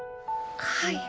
はい。